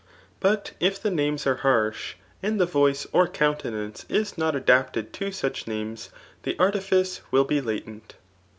But if the names are harsh, and the voice or countenance is not adapted to such names, the artifice will be latent.